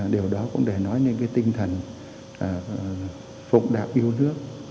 điều đó cũng để nói đến tinh thần phục đạo yêu nước